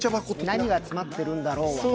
何が詰まっているんだろう？